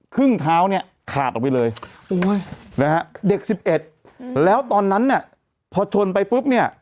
ครึ่งเท้าเนี่ยขาดออกไปเลยโอ้ยนะฮะเด็กสิบเอ็ดแล้วตอนนั้นเนี่ยพอชนไปปุ๊บเนี่ย